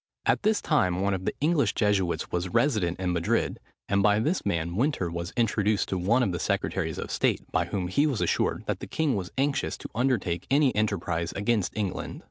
At this time one of the English Jesuits was resident in Madrid; and by this man Winter was introduced to one of the secretaries of state, by whom he was assured that the king was anxious to undertake any enterprise against England.